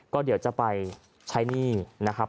ก็เดี๋ยวจะไปใช้หนี้นะครับ